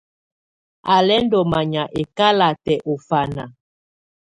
Á lɛ́ ndɔ́ manyá ɛ́kalatɛ̀ ɔ fana.